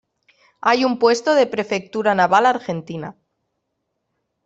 Hay un puesto de Prefectura Naval Argentina.